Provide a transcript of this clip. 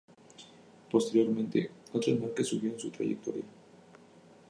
Posteriormente, otras marcas siguieron su trayectoria.